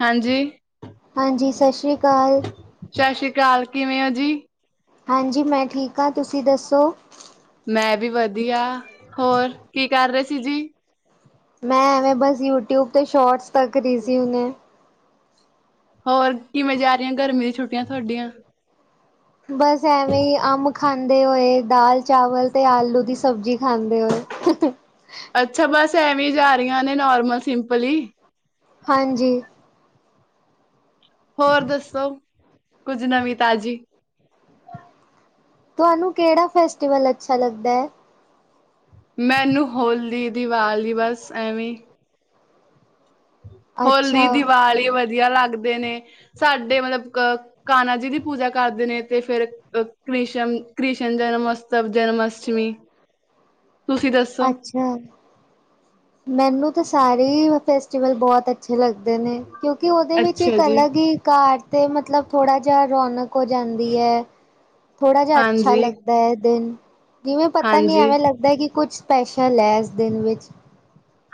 ਹਾਂਜੀ। ਹਾਂਜੀ ਸਤਿ ਸ੍ਰੀ ਅਕਾਲ। ਸਤਿ ਸ੍ਰੀ ਅਕਾਲ ਕਿਵੇਂ ਓਂ ਜੀ। ਹਾਂਜੀ ਮੈਂ ਠੀਕ ਆਂ, ਤੁਸੀਂ ਦੱਸੋ। ਮੈਂ ਵੀ ਵਧੀਆ ਹੋਰ ਕੀ ਕਰ ਰਹੇ ਸੀ ਜੀ। ਮੈਂ ਐਵੇਂ ਬਸ ਯੂਟਿਊਬ ਤੇ ਸ਼ੋਰਟਸ ਤੱਕ ਰੀ ਸੀ ਹੁੰਨੇ। ਹੋਰ ਕਿਵੇਂ ਜਾ ਰਹੀਆਂ ਗਰਮੀ ਦੀ ਛੁੱਟੀਆਂ ਤੁਹਾਡੀਆਂ। ਬਸ ਐਵੇਂ ਹੀ ਅੰਮ ਖਾਂਦੇ ਹੋਏ, ਦਾਲ ਚਾਵਲ ਤੇ ਆਲੂ ਦੀ ਸਬਜ਼ੀ ਖਾਂਦੇ ਹੋਏ। [unintelligible] ਅੱਛਾ ਬਸ ਐਵੇਂ ਜਾ ਰਹੀਆਂ ਨੇ ਨੋਰਮਲ ਸਿੰਪਲ ਈ। ਹਾਂਜੀ। ਹੋਰ ਦੱਸੋ, ਕੁੱਝ ਨਵੀਂ ਤਾਜ਼ੀ। ਤੁਹਾਨੂੰ ਕਿਹੜਾ ਫੈਸਟੀਵਲ ਅੱਛਾ ਲੱਗਦਾ ਐ। ਮੈਨੂੰ ਹੌਲੀ। ਦਿਵਾਲੀ ਬਸ ਐਵੇਂ ਈ। ਹੋਲੀ, ਅੱਛਾ ਦੀਵਾਲੀ ਵਦੀਆ ਲੱਗਦੇ ਨੇ ਸਾਡੇ ਮਤਲਬ ਕ ਕਾਨਾ ਜੀ ਦੀ ਪੂਜਾ ਕਰਦੇ ਨੇ ਤੇ ਫੇਰ ਅ ਕ੍ਰਿਸ਼ਨ ਕ੍ਰਿਸ਼ਨ ਜਨਮੋਤਵ ਜਨਮਸ਼ਟਮੀ ਤੁਸੀਂ ਦੱਸ ਅੱਛਾ, ਮੈਨੂੰ ਤਾਂ ਸਾਰੇ ਈ ਫੈਸਟੀਵਲ ਬੋਤ ਅ ਛੇ ਲੱਗਦੇ ਨੇ ਕਿਉਂਕਿ ਉਦੇ ਵਿੱਚ ਅੱਛਾ ਇੱਕ ਜੀ, ਅਲੱਗ ਈ ਕਾਰ ਤੇ ਮਤਲਬ ਥੋੜਾ ਜਾ ਰੌਨਕ ਹੋ ਜਾਂਦੀ ਐ ਥੋੜਾ ਜਿਆ ਅੱਛਾ ਹਾਂਜੀ। ਲੱਗਦਾ ਐ ਦਿਨ। ਜਿਵੇਂ ਪਤਾ ਨੀ ਹਾਂਜੀ, ਐਵੇਂ ਲੱਗਦਾ ਕਿ ਕੁੱਝ ਸਪੈਸ਼ਲ ਐ ਇਸ ਦਿਨ ਵਿੱਚ।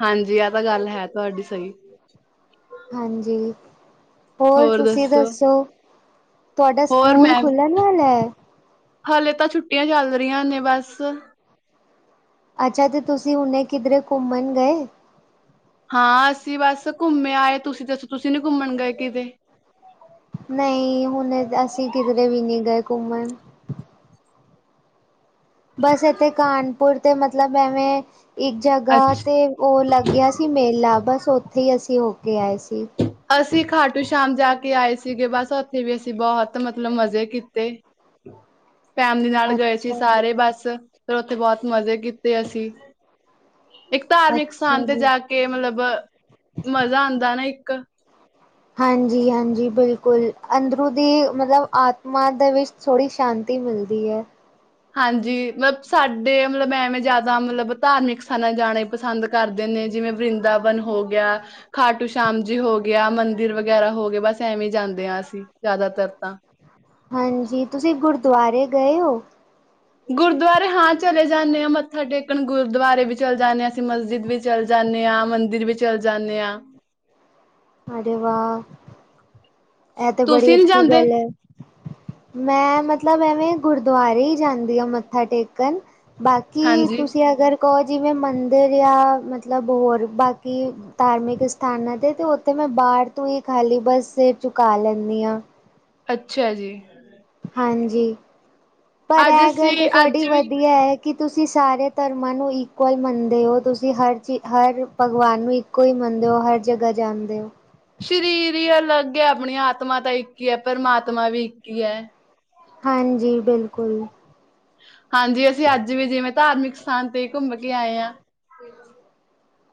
ਹਾਂਜੀ ਐ ਤਾਂ ਗੱਲ ਹੈ ਤੁਆਡੀ ਸਈ। ਹਾਂਜੀ, ਹੋਰ ਤੁਸੀਂ ਦੱਸੋ? ਤੁਹਾਡਾ ਹੋਰ ਸਕੂਲ ਮੈਂ ਖੁੱਲਣ ਵਾਲਾ ਹੈ? ਹਾਲੇ ਤਾਂ ਛੁੱਟੀਆਂ ਚੱਲ ਰਈਆਂ ਨੇ ਬਸ। ਅੱਛਾ ਤੇ ਤੁਸੀਂ ਹੁਣੇੇ ਕਿਦਰੇ ਘੁੰਮਣ ਗਏ? ਹਾਂ, ਅਸੀਂ ਬਸ ਘੁੰਮੇ ਆਏ, ਤੁਸੀਂ ਦੱਸੋ ਤੁਸੀਂ ਨੀ ਘੁੰਮਣ ਗਏ ਕਿਤੇ? ਨਈ ਹੁਣ ਅਸੀਂ ਕਿਦਰੇ ਵੀ ਨਈ ਗਏ ਘੁੰਮਣ। ਬਸ ਇੱਥੇ ਕਾਨਪੁਰ ਤੇ ਮਤਲਬ ਐਵੇਂ ਇੱਕ ਅੱਛ ਜਗ੍ਹਾ ਤੇ ਓ ਲੱਗਿਆ ਸੀ ਮੇਲਾ ਬਸ ਓਥੇ ਈ ਅਸੀਂ ਹੋ ਕੇ ਆਏ ਸੀ। ਅਸੀਂ ਖਾਟੂ ਸ਼ਾਮ ਜਾ ਕੇ ਆਏ ਸੀਗੇ ਬਸ ਓਥੇ ਵੀ ਅਸੀਂ ਬੋਤ ਮਤਲਬ ਮਜ਼ੇ ਕੀਤੇ। ਫੈਮਲੀ ਨਾਲ ਗਏ ਸੀ ਅੱਛਾ ਜੀ, ਸਾਰੇ ਬਸ। ਫੇਰ ਓਥੇ ਬੋਤ ਮਜ਼ੇ ਕੀਤੇ ਅਸੀਂ ਇੱਕ ਧਾਰਮਿਕ ਅੱਛਾ ਸਥਾਨ ਤੇ ਜੀ। ਜਾ ਕੇ ਮਤਲਬ ਮਜ਼ਾ ਆਂਦਾ ਨਾ ਇੱਕ। ਹਾਂਜੀ-ਹਾਂਜੀ ਬਿਲਕੁਲ ਅੰਦਰੂ ਦੀ ਮਤਲਬ ਆਤਮਾ ਦੇ ਵਿੱਚ। ਥੋੜੀ ਸ਼ਾਂਤੀ ਮਿਲਦੀ ਐ। ਹਾਂਜੀ ਮਤਲਬ ਸਾਡੇ ਮਤਲਬ ਐਵੇਂ ਜੈਦਾ ਮਤਲਬ ਧਾਰਮਿਕ ਸਥਾਨਾਂ ਜਾਣਾ ਈ ਪਸੰਦ ਕਰਦੇ ਨੇ ਜਿਵੇਂ ਵਰਿੰਦਾਵਨ ਹੋ ਗਿਆ। ਖਾਟੂ ਸ਼ਾਮ ਜੀ ਹੋ ਗਿਆ, ਮੰਦਿਰ ਵਗੈਰਾ ਹੋ ਗਏ ਬਸ ਐਵੇਂ ਜਾਂਦੇ ਆ ਅਸੀਂ ਜੈਦਾਤਰ ਤਾਂ। ਹਾਂਜੀ, ਤੁਸੀਂ ਗੁਰਦੁਆਰੇ ਗਏ ਓ? ਗੁਰਦੁਆਰੇ ਹਾਂ ਚਲੇ ਜਾਨੇ ਆ ਮੱਥਾ ਟੇਕਣ ਗੁਰਦੁਆਰੇ ਵੀ ਚਲੇ ਜਾਨੇ ਆ ਅਸੀਂ ਮਸਜਿਦ ਵਿੱਚ ਚੱਲ ਜਾਨੇ ਆ, ਮੰਦਿਰ ਵੀ ਚੱਲ ਜਾਨੇ ਆ। ਅਰੇੇ ਵਾ! ਐ ਤੇ ਬੜੀ ਤੁਸੀਂ ਨਹੀਂ ਅੱਛੀ ਜਾਂਦੇ ਗੱਲ ਐ, ਮੈਂ ਮਤਲਬ ਐਵੇਂ ਗੁਰਦੁਆਰੇ ਈ ਜਾਂਦੀ ਆ ਮੱਥਾ ਟੇਕਣ ਬਾਕੀ ਹਾਂਜੀ ਤੁਸੀਂ ਅਗਰ ਕੋ ਜਿਵੇਂ ਮੰਦਿਰ ਯਾ ਮਤਲਬ ਹੋਰ ਬਾਕੀ ਧਾਰਮਿਕ ਸਥਾਨਾਂ ਤੇ ਤੇ ਓੱਥੇ ਮੈਂ ਬਾਰ ਤੋਂ ਈ ਖਾਲੀ ਬੱਸ ਸਿਰ ਚੁਕਾ ਲੈਨੀ ਆ। ਅੱਛਾ ਜੀ। ਹਾਂਜੀ, ਪਰ ਅੱਜ ਐ ਗੱਲ ਤੇ ਅਸੀਂ ਤੁਆਡੀ ਅੱਜ ਵੀ ਵਦੀਆ ਐ ਕਿ ਤੁਸੀਂ ਸਾਰੇ ਧਰਮਾਂ ਨੂੰ ਇਕੁਅਲ ਮੰਨਦੇ ਓ ਤੁਸੀਂ ਹਰ ਚੀਜ ਹਰ ਭਗਵਾਨ ਨੂੰ ਇੱਕੋ ਈ ਮੰਨਦੇ ਓ ਹਰ ਜਗਾ ਜਾਂਦੇ ਓ। ਸ਼ਰੀਰ ਈ ਅਲੱਗ ਐ ਆਪਣੀ ਆਤਮਾ ਤਾਂ ਇੱਕ ਈ ਐ, ਪਰਮਾਤਮਾ ਵੀ ਇੱਕ ਈ ਐ। ਹਾਂਜੀ ਬਿਲਕੁਲ। ਹਾਂਜੀ ਅਸੀਂ ਅੱਜ ਵੀ ਜਿਵੇਂ ਧਾਰਮਿਕ ਸਥਾਨ ਤੇ ਘੁੰਮ ਕੇ ਆਏ ਆ। [inaudible]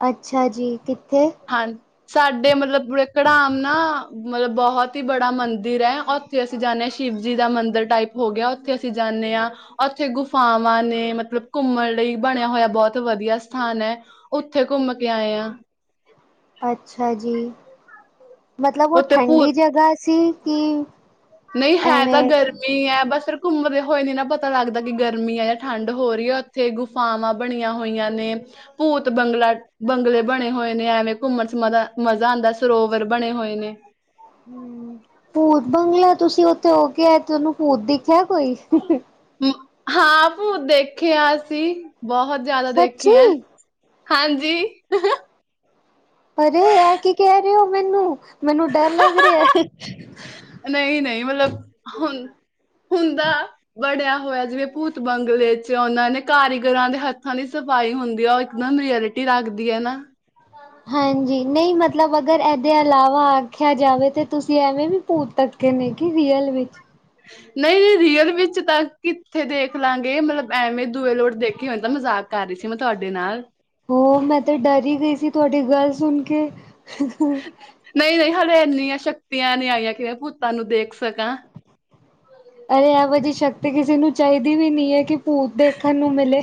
ਅੱਛਾ ਜੀ, ਕਿੱਥੇ? ਹਾਂ, ਸਾਡੇ ਮਤਲਬ ਪਰੇ ਕੜਾਮ ਨਾ ਮਤਲਬ ਬੋਹਤ ਈ ਬੜਾ ਮੰਦਿਰ ਐ ਓ ਥੇ ਅਸੀਂ ਜਾਨੇ ਆ ਸ਼ਿਵਜੀ ਦਾ ਮੰਦਰ ਟਾਈਪ ਹੋ ਗਿਆ ਓੱਥੇ ਅਸੀਂ ਜਾਨੇ ਆ। ਓੱਥੇ ਗੁਫਾਵਾਂ ਨੇ ਮਤਲਬ ਘੁੰਮਣ ਲਈ ਬਣਿਆ ਹੋਇਆ ਬੋਤ ਵਦੀਆ ਸਥਾਨ ਐ। ਉੱਥੇ ਘੁੰਮ ਕੇ ਆਏ ਆ। ਅੱਛਾ ਜੀ। ਮਤਲਬ ਉਹ ਉੱਥੇ ਭੂਤ ਠੰਡੀ ਜਗ੍ਹਾ ਸੀ ਕਿ ਐਵੇਂ ਮੀਂਹ ਐ ਬਸ ਫਿਰ ਘੁੰਮਦੇ ਹੋਏ ਨੀ ਨਾ ਪਤਾ ਲੱਗਦਾ ਕਿ ਗਰਮੀ ਐ ਜਾਂ ਠੰਡ ਹੋ ਰੀ ਐ ਉੱਥੇ ਗੁ ਫਾਵਾਂ ਬਣੀਆਂ ਹੋਈਆਂ ਨੇ। ਭੂਤ ਬੰਗਲਾ ਬੰਗਲੇ ਬਣੇ ਹੋਏ ਨੇ ਐਵੇਂ ਘੁੰਮਣ ਚ ਮਜਾ ਮਜ਼ਾ ਆਂਦਾ ਸਰੋਵਰ ਬਣੇ ਹੋਏ ਨੇ ਹੂੰ ਭੂਤ ਬੰਗਲਾ ਤੁਸੀਂ ਉੱਥੋਂ ਹੋ ਕੇ ਆਏ ਤੋਨੂੰ ਭੂਤ ਦਿਖਿਆ ਕੋਈ। ਹਾਂ ਭੂਤ ਦੇਖੇ ਆਂ ਅਸੀਂ ਬੋਹਤ ਜ਼ਾਦਾ ਦੇਖੇ ਆ। ਸੱਚੀ ਹਾਂਜੀ। ਅਰੇ ਐ ਕੀ ਕੈ ਰੇ ਓ ਮੈਨੂੰ, ਮੈਨੂੰ ਡਰ ਲੱਗ ਰਿਆ। ਨਈ ਨਈ ਮਤਲਬ ਹੁਣ ਹੁੰਦਾ। ਬਣਿਆ ਹੋਇਆ ਜਿਵੇਂ ਭੂਤ ਬੰਗਲੇ ਚ ਉਨਾਂ ਨੇ ਕਾਰੀਗਰਾਂ ਦੇ ਹੱਥਾਂ ਦੀ ਸਫ਼ਾਈ ਹੁੰਦੀ ਆ ਓ ਇਕ ਮੈਮ ਰਿਆਂਲਟੀ ਲੱਗਦੀ ਐ ਨਾ। ਹਾਂਜੀ ਨਈ ਮਤਲਬ ਅਗਰ ਐਦੇ ਇਲਾਵਾ ਆਖਿਆ ਜਾਵੇ ਤਾਂ ਤੁਸੀਂ ਐਵੇਂ ਵੀ। ਭੂਤ ਤੱਕੇ ਨੇ ਕਿ ਰੀਅਲ ਵੀ ਨਈ ਨਈ ਰੀਅਲ ਵਿੱਚ ਤਾਂ ਕਿੱਥੇ ਦੇਖ ਲਾਂਗੇ ਮਤਲਬ ਐਵੇਂ ਦੂਏ ਲੋਟ ਦੇਖੇ ਹੋਣ ਤਾਂ ਮਜ਼ਾ ਕਰ ਰੀ ਸੀ ਮੈਂ ਤੁਆਡੇ ਨਾਲ। ਹੋ ਮੈਂ ਤੇ ਡਰ ਈ ਗਈ ਸੀ ਤੁਆਡੀ ਗੱਲ ਸੁਣ ਕੇ। ਨਈ-ਨਈ ਹਾਲੇ ਇੰਨੀਆਂ ਸ਼ਕਤੀਆਂ ਨਈ ਆਈਆਂ ਕਿ ਮੈਂ ਭੂਤਾਂ ਨੂੰ ਦੇਖ ਸਕਾਂ। ਅਰੇ ਐਵੋ ਜੀਅ ਸ਼ਕਤੀ ਕਿਸੇ ਨੂੰ ਚਾਈਦੀ ਵੀ ਨਈ ਐ ਕਿ ਭੂਤ ਦੇਖਣ ਨੂੰ ਮਿਲੇ।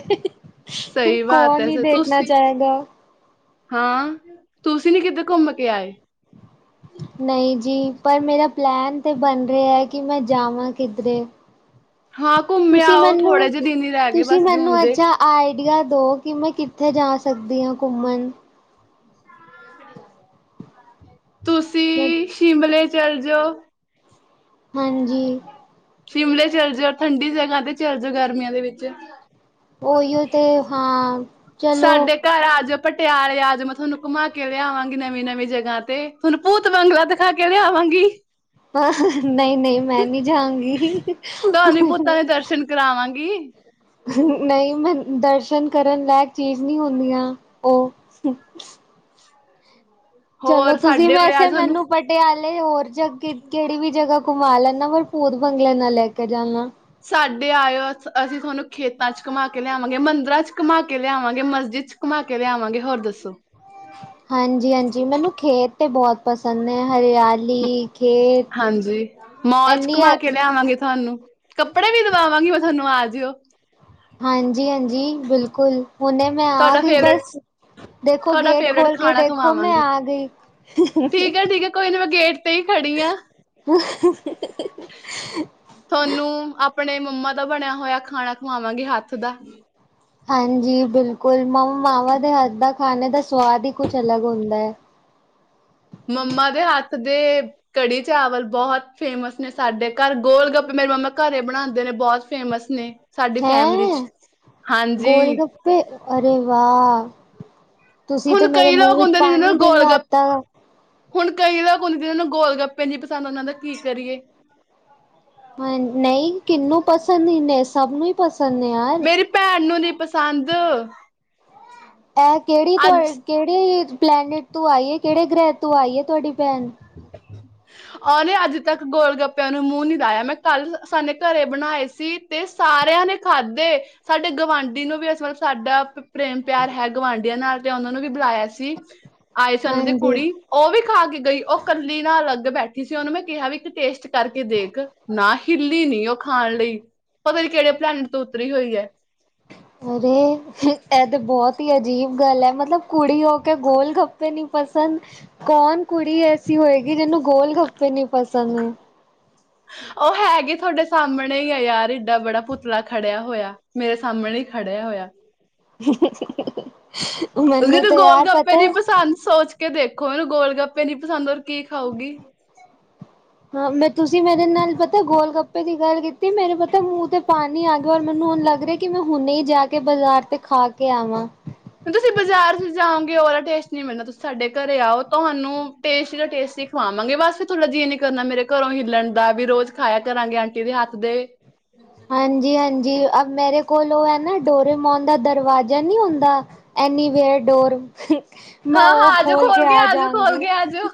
ਸਹੀ ਬਾਤ ਕੌਣ ਹੈ ਈ ਸਰ ਦੇਖਣਾ ਤੁਸੀਂ ਚਾਏਗਾ। ਹਾਂ ਤੁਸੀਂ ਨੀ ਕੀਤੇ ਘੁੰਮ ਕੇ ਆਏ। ਨਈ ਜੀ ਪਰ ਮੇਰਾ ਪਲੈਨ ਤਾਂ ਬਣ ਰੇਏਆ ਕਿ ਮੈਂ ਜਾਵਾਂ ਕਿੱਧਰੇ। ਹਾਂ ਘੁੰਮੇ ਤੁਸੀਂ ਆਓ ਮੈਨੂੰ, ਥੋੜੇ ਜਿਹੇ ਦਿਨ ਹੀ ਰਹਿ ਗਏ ਤੁਸੀਂ ਬਸ ਜੂਨ ਮੈਨੂੰ ਦੇ ਅੱਜ ਆਂ ਆਈਡੀਆ ਦੋ ਕਿ ਮੈਂ ਕਿੱਥੇ ਜਾ ਸਕਦੀ ਆ ਘੁੰਮਣ। ਤੁਸੀਂ ਸ਼ਿਮਲੇ ਚੱਲ ਜੋ। ਹਾਂਜੀ। ਸ਼ਿਮਲੇ ਚੱਲ ਜੋ ਠੰਡੀ ਜਗ੍ਹਾ ਤੇ ਚੱਲ ਜੋ ਗਰਮੀਆਂ ਦੇ ਵਿੱਚ। ਓਈਓ ਤੇ ਹਾਂ। ਚਲੋ ਸਾਡੇ ਘਰ ਆ ਜੋ ਪਟਿਆਲੇ ਆ ਜੋ ਮੈਂ ਥੋਨੂੰ ਘੁੰਮਾ ਕੇ ਲਿਆਵਾਂਗੀ ਨਵੀਂ-ਨਵੀਂ ਜਗ੍ਹਾ ਤੇ ਥੋਨੂੰ ਭੂਤ ਬੰਗਲਾ ਦਿਖਾ ਕੇ ਲੈ ਆਵਾਂਗੀ। ਨਈ-ਨਈ ਮੈਂ ਨੀ ਜਾਂਗੀ। ਸ਼ਨ ਕਰਾਵਾਂਗੀ ਨਈ ਮੈਂ ਦਰਸ਼ਨ ਕਰਨ ਲਾਇਕ ਚੀਜ਼ ਨੀ ਹੁੰਦੀਆਂ ਓ। ਚਲੋ ਹੋਰ ਤੁਸੀਂ ਸਾਡੇ ਉਰੇ ਆ ਵੈਸੇ ਤੁਹਾਨੂੰ ਮੈਨੂੰ। ਪਟਿਆਲੇ ਹੋਰ ਜਗ ਕੇੜੀ ਵੀ ਜਗਾ ਘੁੰਮਾ ਲੈਂਣਾ ਪਰ ਭੂਤ ਬੰਗਲੇ ਨਾ ਲੈ ਕੇ ਜਾਣਾ। ਸਾਡੇ ਆਇਓ ਅਸੀਂ ਥੁਆਨੂੰ ਖੇਤਾਂ ਚ ਘੁਮਾ ਕੇ ਲਿਆਵਾਂਗੇ ਮੰਦਰਾਂ ਚ ਘੁਮਾ ਕੇ ਲਿਆਵਾਂਗੇ ਮਸਜਿਦ ਚ ਘੁਮਾ ਕੇ ਲਿਆਵਾਂਗੇ ਹੋਰ ਦੱਸੋ। ਹਾਂਜੀ-ਹਾਂਜੀ ਮੈਨੂੰ ਖੇਤ ਤੇ ਬੋਤ ਪਸੰਦ ਨੇ ਹਰਿਆ ਲੀ ਖੇਤ ਹਾਂਜੀ ਮੋਲ ਚ ਐਨੀ ਘੁਮਾ ਕੇ ਲਿਆਵਾਂਗੇ ਥੋਨੂੰ ਕੱਪੜੇ ਵੀ ਦਵਾਵਾਗੀ ਮੈ ਥੋਨੂੰ ਆ ਜਾਇਓ। ਹਾਂਜੀ-ਹਾਂਜੀ ਬਿਲਕੁਲ ਹੁਨੇ ਮੈਂ ਆ ਤੁਹਾਡਾ ਗਈ ਫੇਵਰੇਟ ਬਸ ਦੇਖੋ ਤੁਹਾਡਾ ਗੇਟ ਫੇਵਰੇਟ ਖੋਲ ਕੇ ਖਾਣਾ ਦੇਖੋ ਮੈਂ ਖਵਾਵਾਂਗੀ ਆ ਗਈ। ਠੀਕ ਹੈ ਠੀਕ ਹੈ ਕੋਈ ਨੀ ਮੈਂ ਗੇਟ ਤੇ ਈ ਖੜੀ ਆ। [inaudible] ਥੋਨੂੰ ਆਪਣੇ ਮੰਮਾ ਦਾ ਬਣਿਆ ਹੋਇਆ ਖਾਣਾ ਖਵਾਵਾਂਗੇ ਹੱਥ ਦਾ। ਹਾਂਜੀ, ਬਿਲਕੁਲ ਮ ਮਾਵਾਂ ਦੇ ਹੱਥ ਦਾ ਖਾਣੇ ਦਾ ਸਵਾਦ ਹੀ ਕੁਛ ਅਲੱਗ ਹੁੰਦਾ ਹੈ। ਮੰਮਾ ਦੇ ਹੱਥ ਦੇ ਕੜੀ ਚਾਵਲ ਬੋਤ ਫੇਮਸ ਨੇ ਸਾਡੇ ਘਰ ਗੋਲ ਗੱਪੇ ਮੇਰੇ ਮੰਮਾ ਘਰੇ ਬਣਾਉਂਦੇ ਨੇ ਬੋਤ ਫੇਮਸ ਨੇ। ਸਾਡੀ ਫੈਮਲੀ ਚ' ਹੈਂ ਹਾਂਜੀ। ਗੋਲ ਗੱਪੇ ਅਰੇ ਵਾਹ'ਤੁਸੀਂ ਤੇ ਹੁਣ ਮੇਰੇ ਕਈ ਮੂੰਹ ਲੋਕ ਵਿੱਚ ਹੁੰਦੇ ਨੇ ਜਿਹਨਾਂ ਪਾਣੀ ਨੂੰ ਗੋਲ ਗੱਪ ਦਿਲਵਾਤਾ। ਹੁਣ ਕਈ ਲੋਕ ਹੁਣ ਜੀਨੂੰ ਗੋਲਗੱਪੇ ਨੀ ਪਸੰਦ ਓਨਾ ਦਾ ਕੀ ਕਰੀਏ। ਹ ਨਈ ਕੀਨੂੰ ਪਸੰਦ ਨਈ ਦੇ ਸਭ ਨੂੰ ਹੀ ਪਸੰਦ ਨੇ ਯਾਰ। ਮੇਰੀ ਭੈਣ ਨੂੰ ਨੀ ਪਸੰਦ। ਐ ਕੇੜੀ ਤੁ ਅੱਜ ਕੇੜੇ ਪਲੈਨਿਟ ਤੋਂ ਆਈ ਹੈ ਕੇਹੜੇ ਗ੍ਰਹਿ ਤੋਂ ਆਈ ਹੈ ਤੁਹਾਡੀ ਭੈਣ? [inaudible] ਓਨੇ ਅੱਜਤੱਕ ਗੋਲ ਗੱਪਿਆਂ ਨੂੰ ਮੂੰਹ ਨੀ ਲਾਇਆ ਮੈਂ ਕੱਲ ਸਾਨੇ ਘਰੇ ਬਣਾਏ ਸੀ। ਤੇ ਸਾਰਿਆਂ ਨੇ ਖਾਧੇ ਸਾਡੇ ਗਵਾਂਢੀ ਨੂੰ ਵੀ ਅਂ ਮਤਲਬ ਸਾਡਾ ਪ੍ਰੇਮ ਪਿਆਰ ਹੈ ਗੁਵਾਂਢੀਆਂ ਨਾਲ ਤੇ ਓਨਾਂ ਨੂੰ ਵੀ ਬੁਲਾਇਆ ਸੀ ਆਈ ਸੀ ਓਨਾ ਦੀ ਹਾਂਜੀ ਕੁੜੀ ਓ ਵੀ ਖਾ ਕੇ ਗਈ ਓ ਕੱਲੀ ਨਾਲ ਅਲੱਗ ਬੈਠੀ ਸੀ ਓਨੂੰ ਮੈਂ ਕਿਹਾ ਵੀ ਇੱਕ ਟੇਸਟ ਕਰਕੇ ਦੇਖ ਨਾ ਹਿੱਲੀ ਨੀ ਓ ਖਾਣ ਲਈ। ਪਤਾ ਵੀ ਕੇੜੇ ਪਲੈਨੇਟ ਤੋਂ ਉੱਤਰੀ ਹੋਈ ਐ। [unintelligible] ਅਰੇ ਐ ਤਾਂ ਬੋਤ ਹੀ ਅਜੀਬ ਗੱਲ ਏ ਮਤਲਬ ਕੁੜੀ ਹੋ ਕੇ ਗੋਲਗੱਪੇ ਨੀ ਪਸੰਦ। ਕੌਣ ਕੁੜੀ ਐਸੀ ਹੋਏਗੀ ਜੀਨੂੰ ਗੋਲਗੱਪੇ ਨੀ ਪਸੰਦ ਨੇ। ਓ ਹੈਗੀ ਥੋਡੇ ਸਾਹਮਣੇ ਹੀ ਆ ਯਾਰ ਏਡਾ ਬੜਾ ਪੁਤਲਾ ਖੜਿਆ ਹੋਇਆ। ਮੇਰੇ ਸਾਮਣੇ ਈ ਖੜਿਆ ਹੋਇਆ। ਮੈਨੂੰ ਜੀਨੂੰ ਤੇ ਯਾਰ ਗੋਲਗੱਪੇ ਪਤਾ ਦੀ ਹੈ ਪਸੰਦ ਸੋਚ ਕੇ ਦੇਖੋ ਏਨੂੰ ਗੋਲਗੱਪੇ ਨੀ ਪਸੰਦ ਔਰ ਕੀ ਖਾਊਗੀ। ਹਾਂ, ਮੈਂ ਤੁਸੀਂ ਮੇਰੇ ਨਾਲ ਪਤਾ ਗੋਲਗੱਪੇ ਦੀ ਗੱਲ ਕੀਤੀ ਮੈਨੂੰ ਪਤਾ ਮੂੰਹ ਤੇ' ਪਾਣੀ ਆ ਗਿਆ ਔਰ ਮੈਨੂੰ ਲੱਗ ਰਿਹਾ ਕਿ ਮੈਂ ਹੁਣੇ ਹੀ ਜਾ ਕੇ ਬਾਜ਼ਾਰ ਤੇ ਖਾ ਕੇ ਆਵਾਂ। ਤੁਸੀਂ ਬਾਜ਼ਾਰ ਚ ਜਾਓਗੇ ਓਦਾ ਟੇਸਟ ਨੀ ਮਿਲਣਾ ਤੁਸੀਂ ਸਾਡੇ ਘਰੇ ਆਓ ਤੁਹਾਨੂੰ। ਟੇਸਟੀ ਦਾ ਟੇਸਟੀ ਖਵਾਵਾਂਗੇ ਬਸ ਵੀ ਥੋਡਾ ਜੀ ਨੀ ਕਰਨਾ ਮੇਰੇ ਘਰੋਂ ਹਿਲਣ ਦਾ ਵੀ ਰੋਜ਼ ਖਾਇਆ ਕਰਾਂਗੇ ਆਂਟੀ। ਦੇ ਹੱਥ ਦੇ। ਹਾਂਜੀ-ਹਾਂਜੀ ਮੇਰੇ ਕੋਲੋ ਐ ਨਾ ਡੋਰੇ ਮੋਨ ਦਾ ਦਰਵਾਜ਼ਾ ਨਹੀਂ ਹੁੰਦਾ। Anywhere door. ਮੈਂ ਹਾਂ-ਹਾਂ ਓ ਆਜੋ ਖੋਲ ਕੇ ਆ ਆਜੋ ਖੋਲ ਜਾਗੀ। ਕੇ ਆਜੋ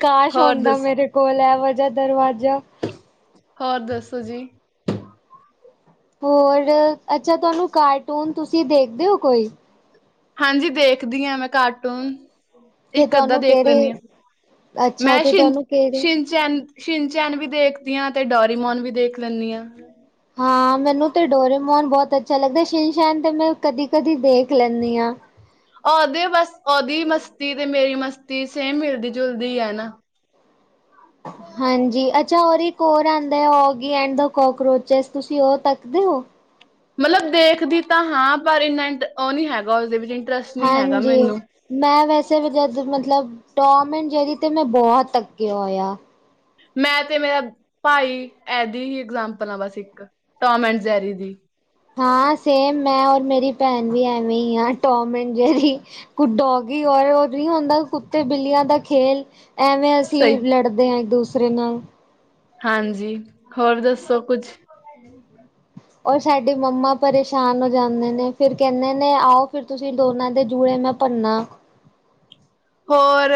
ਕਾਸ਼ ਹੋਰ ਹੁੰਦਾ ਦੱਸ ਮੇਰੇ ਕੋਲ ਐਹੋ ਜਾ ਦਰਵਾਜਾ। ਹੋਰ ਦੱਸੋ ਜੀ? ਹੋਰ, ਅੱਛਾ ਤੁਹਾਨੂੰ ਕਾਰਟੂਨ ਤੁਸੀਂ ਦੇਖਦੇ ਓ ਕੋਈ? ਹਾਂਜੀ, ਦੇਖਦੀ ਆਂ ਮੈਂ ਕਾਰਟੂਨ। ਤੇ ਇੱਕ ਅੱਧਾ ਤੁਹਾਨੂੰ ਦੇਖ ਲੈਂਣੀ ਕਿਹੜੇ ਆਂ, ਅੱਛਾ ਮੈਂ ਤੇ ਛਿਨ ਤੁਹਾਨੂੰ ਕਿਹੜੇ ਛਿਨਚੈਨ। ਛਿਨਚੈਨ ਵੀ ਦੇਖਦੀ ਆਂ ਤੇ ਡੋਰੀਮੋਨ ਵੀ ਦੇਖ ਲੈਂਣੀ ਆਂ। ਹਾਂ, ਮੈਨੂੰ ਤੇ ਡੋਰੇਮੋਨ ਬੌਤ ਅੱਛਾ ਲੱਗਦੈ ਸਿ਼ਨਸੈ਼ਨ ਤੇ ਮੈਂ ਕਦੀ-ਕਦੀ ਦੇਖ ਲੈਂਣੀ ਆਂ। ਓਦੇ ਬਸ ਓਦੀ ਵੀ ਮਸਤੀ ਤੇ ਮੇਰੀ ਮਸਤੀ ਸੇਮ ਮਿਲਦੀ-ਜੁਲਦੀ ਐ ਨਾ। ਹਾਂਜੀ, ਅੱਛਾ ਔਰ ਇੱਕ ਔਰ ਆਦੈ ਓਗੀ ਐਂਡ ਦਾ ਕੋਕਰੋਚਸ, ਤੁਸੀਂ ਓ ਤੱਕਦੇ ਔ? ਮਤਲਬ ਦੇਖਦੀ ਤਾਂ ਹਾਂ ਪਰ ਇੰਨਾ ਇੰਟ ਓਹ ਨੀ ਹੈਗਾ ਓਸਦੇ ਵੀਨੀ। ਹਾਂਜੀ। ਮੈਂ ਵੈਸੇ ਵੀ ਜਦ ਮਤਲਬ ਟੋਮ ਐੰਡ ਜੈਰੀ ਤੇ ਮੈਂ ਬੌਤ ਤੱਕੇਆ ਹੋਯਾ। ਮੈਂ ਤੇ ਮੇਰਾ ਪਾਈ ਐਹਦੀ ਹੀ ਐਗਜਾਮਪਲ ਆ ਬਸ ਇੱਕ, ਟੋਮ ਐਂਡ ਜੈਰੀ ਦੀ। ਹਾਂ, ਸੇਮ ਮੈਂ ਔਰ ਮੇਰੀ ਭੈਣ ਵੀ ਐਵੇਂ ਈ ਆ ਟੋਮ ਐਂਡ ਜੇਰੀ। ਕੁ ਡੋਗੀ ਔਰ ਓਹ ਨੀ ਹੁੰਦਾ ਕੁੱਤੇ ਬਿੱਲੀਆਂ ਦਾ ਖੇਲ ਐਵੇਂ ਸਹੀ ਅਸੀਂ ਲੜਦੇ ਆਂ, ਇੱਕ-ਦੂਸਰੇ ਨਾਲ। ਹਾਂਜੀ, ਹੋਰ ਦੱਸੋ ਕੁੱਛ? [inaudible] ਔਰ ਸਾਡੀ ਮੰਮਾ ਪਰੇਸ਼ਾਨ ਹੋ ਜਾਂਦੇ ਨੇ ਫੇਰ ਕੈੰਹਦੇ ਨੇ ਆਓ ਫਿਰ ਤੁਸੀਂ ਦੋਨਾਂ ਦੇ ਜੁੜੇ ਮੈਂ ਭੰਨਾ। ਹੋਰ,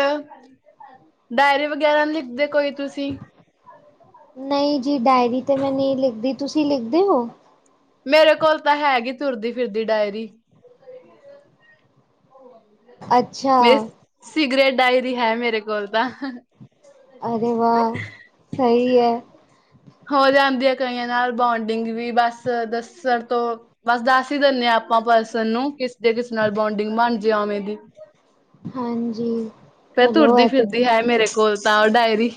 ਡਾਇਰੀ ਵਗੈਰਾ ਨਈ ਲਿਖਦੇ ਕੋਈ ਤੁਸੀਂ? ਨਹੀਂ ਜੀ, ਡਾਇਰੀ ਤੇ ਮੈਂ ਨਹੀਂ ਲਿਖਦੀ, ਤੁਸੀਂ ਲਿਖਦੇ ਹੋ? ਮੇਰੇ ਕੋਲ ਤਾਂ ਹੈਗੀ ਤੁਰਦੀ-ਫਿਰਦੀ ਡਾਇਰੀ। ਅੱਛਾ ਮੇ ਸਿਕਰੇਟ ਡਾਇਰੀ ਹੈ ਮੇਰੇ ਕੋਲ ਤਾਂ। ਅਰੇ ਵਾ, ਸਹੀ ਐ। ਹੋ ਜਾਂਦੀ ਐ ਕਈਆਂ ਨਾਲ ਬੋਂਡਿੰਗ ਵੀ, ਬਸ ਦੱਸੜ ਤੋਂ ਬਸ ਦੱਸ ਈ ਦਿੰਣੇ ਆ ਅਪਾਂ ਪਰਸਨ ਨੂੰ ਕਿਸ ਦੇ ਕਿਸ ਨਾਲ ਬੋਂਡਿੰਗ ਬਣ ਜੇ ਓਵੇਂ ਦੀ। ਹਾਂਜੀ ਕੇ ਚਲੋ ਇਹ ਤੇ ਤੁਰਦੀ-ਫਿਰਦੀ ਹੈ ਮੇਰੇ ਕੋਲ ਤਾਂ ਡਾਇਰੀ।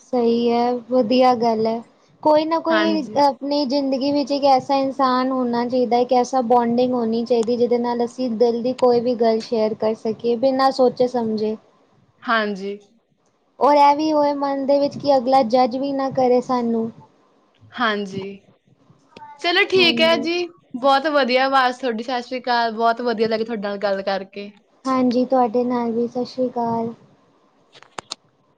ਸਹੀ ਹੈ, ਵਧੀਆ ਗੱਲ ਐ, ਕੋਈ ਨਾ ਕੋਈ ਹਾਂਜੀ ਅ ਨਹੀਂ ਜ਼ਿੰਦਗੀ ਵਿੱਚ ਇੱਕ ਐਸਾ ਇਨਸਾਨ ਹੋਣਾ ਚਾਈਦੈ, ਇੱਕ ਐਸਾ ਬੋਂਡਿੰਗ ਹੋਣੀ ਚਾਈਦੀ ਜਿਦੇ ਨਾਲ ਅਸੀ ਕੀ ਦਿਲ ਦੀ ਕੋਈ ਵੀ ਗੱਲ ਸ਼ੇਅਰ ਕਰ ਸਕੀਏ, ਬਿਨਾਂ ਸੋਚੇ-ਸਮਝੇ। ਹਾਂਜੀ। ਔਰ ਐਵੀ ਹੋਏ ਮਨ ਦੇ ਵਿੱਚ ਕਿ ਅਗਲਾ ਜੱਜ ਵੀ ਨਾ ਕਰੇ ਸਾਨੂੰ। ਹਾਂਜੀ, ਚਲੋ ਠੀਕ ਹੈ ਹਾਂਜੀ ਜੀ। ਬੌਤ ਵਧੀਆ ਅਵਾਜ਼ ਥੋਡੀ। ਸਤਿ ਸ੍ਰੀ ਅਕਾਲ, ਬੌਤ ਵਧੀਆ ਲੱਗੇ ਥੋਡੇ ਨਾਲ ਗੱਲ ਕਰਕੇ। ਹਾਂਜੀ, ਤੁਹਾਡੇ ਨਾਲ ਵੀ ਸਤਿ ਸ਼੍ਰੀ ਅਕਾਲ। [inaudible]